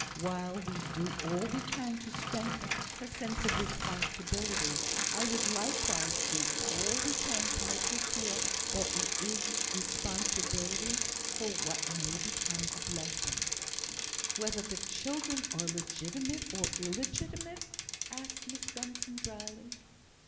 While we do all we can to strengthen her sense of responsibility, I would likewise do all we can to make her feel that it is responsibility for what may become a blessing." "Whether the children are legitimate or illegitimate?" asked Miss Benson, drily.